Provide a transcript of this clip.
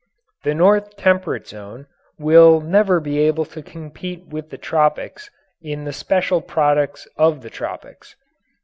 The North Temperate Zone will never be able to compete with the tropics in the special products of the tropics.